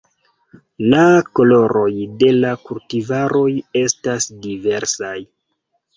La koloroj de la kultivaroj estas diversaj.